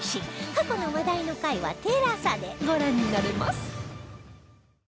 過去の話題の回は ＴＥＬＡＳＡ でご覧になれます